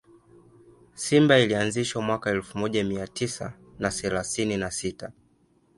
Simba ilianzishwa mwaka elfu moja mia tisa na thelathini na sita